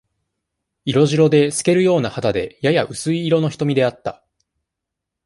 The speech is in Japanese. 色白で、透けるような肌で、やや薄い色の瞳であった。